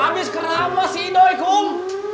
abis keramas si doi kum